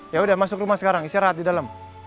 yaudah masuk rumah sekarang istirahat di dalam